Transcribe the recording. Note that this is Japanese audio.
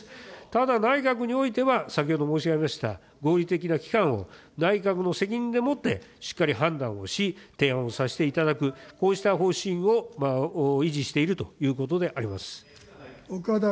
ただ、内閣においては先ほど申し上げました合理的な期間を内閣の責任でもって、しっかり判断をし、提案をさせていただく、こうした方針を維持しているということであります。